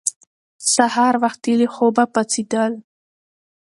سهار وختي له خوبه پاڅېدل